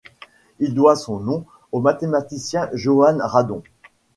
Il doit son nom au mathématicien Johann Radon.